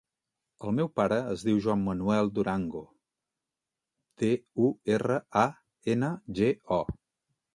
El meu pare es diu Juan manuel Durango: de, u, erra, a, ena, ge, o.